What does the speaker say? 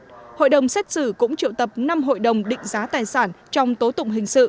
trong hội đồng xét xử cũng triệu tập năm hội đồng định giá tài sản trong tố tụng hình sự